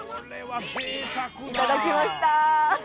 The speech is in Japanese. いただきました！